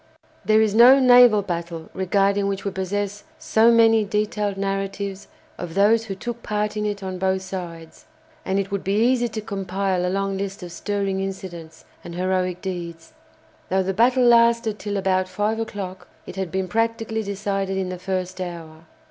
There is no naval battle regarding which we possess so many detailed narratives of those who took part in it on both sides, and it would be easy to compile a long list of stirring incidents and heroic deeds. Though the battle lasted till about five o'clock, it had been practically decided in the first hour.